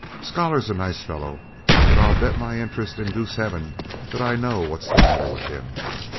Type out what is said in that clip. Scholar's a nice fellow, but I'll bet my interest in goose heaven that I know what's the matter with him.